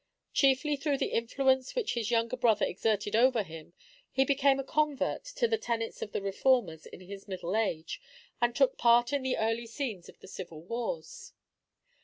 Chiefly through the influence which his younger brother exerted over him, he became a convert to the tenets of the Reformers in his middle age, and took part in the early scenes of the civil wars.